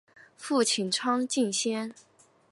父亲畅敬先。